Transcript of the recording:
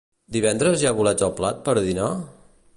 Divendres hi ha bolets al plat per a dinar?